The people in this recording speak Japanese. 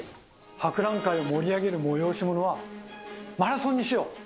博覧会を盛り上げる催し物はマラソンにしよう！